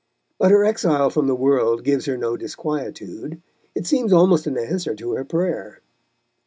But her exile from the world gives her no disquietude. It seems almost an answer to her prayer.